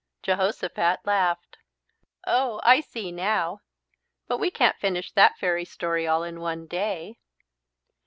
Jehosophat laughed. "Oh! I see now. But we can't finish that fairy story all in one day."